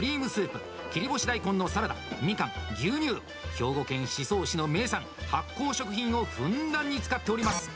兵庫県宍粟市の名産、発酵食品をふんだんに使っております。